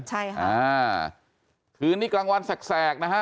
ใช่ครับอ่าคืนนี่กลางวันแสกแสกนะฮะ